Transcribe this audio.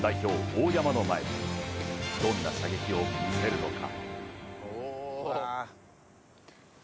大山の前でどんな射撃を見せるのか。